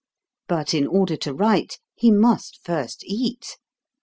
But in order to write, he must first eat.